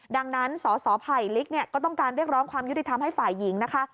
ดังนั้นสสไผ่ลิกเนี่ยก็ต้องการเรียกร้องความยุติธรรมให้ฝ่ายหญิงนะคะ